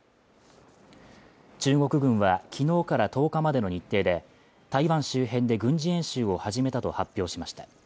中国軍は昨日から１０日までの日程で台湾周辺で軍事演習を始めたと発表しました。